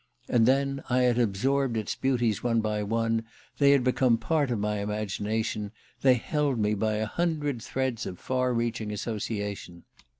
And then I had absorbed its beauties one by one, they had become a part of my imagination, they held me by a hundred threads of far reaching association.